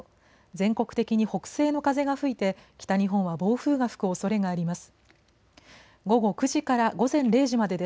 全国的に北西の風が吹いて北日本は暴風が吹くおそれがあります。